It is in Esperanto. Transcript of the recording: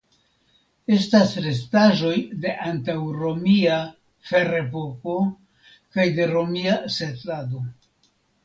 Estas restaĵoj de antaŭromia (ferepoko) kaj de romia setlado.